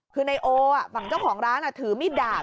คือนายโอฝั่งเจ้าของร้านถือมีดดาบ